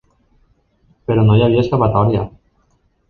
Però no hi havia escapatòria.